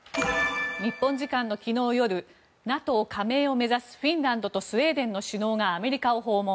日本時間の昨日夜ＮＡＴＯ加盟を目指すフィンランドとスウェーデンの首脳がアメリカを訪問。